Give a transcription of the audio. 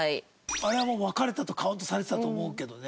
あれはもう「別れた」とカウントされてたと思うけどね。